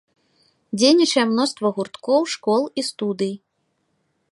Дзейнічае мноства гурткоў, школ і студый.